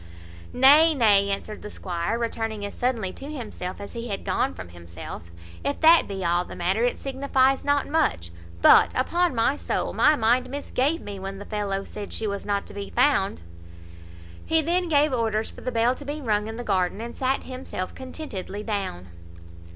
"Nay, nay," answered the squire, returning as suddenly to himself, as he had gone from himself; "if that be all the matter, it signifies not much; but, upon my soul, my mind misgave me when the fellow said she was not to be found." He then gave orders for the bell to be rung in the garden, and sat himself contentedly down.